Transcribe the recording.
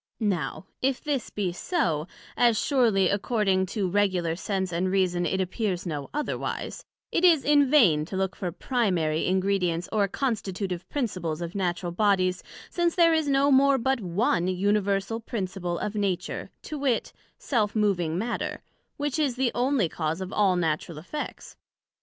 Now, if this be so, as surely, according to regular Sense and Reason, it appears no otherwise; it is in vain to look for primary Ingredients, or constitutive principles of Natural Bodies, since there is no more but one Universal Principle of Nature, to wit, self moving Matter, which is the onely cause of all natural effects.